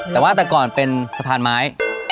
แต่ว่าแต่ก่อนเป็นสะพานไม้